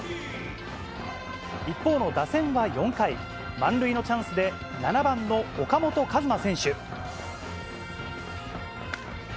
一方の打線は４回、満塁のチャンスで、７番の岡本和真選手。